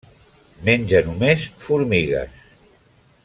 Menja només formigues.